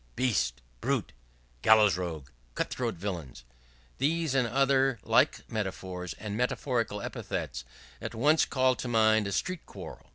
"Beast," "brute," "gallows rogue," "cut throat villain," these, and other like metaphors and metaphorical epithets, at once call to mind a street quarrel.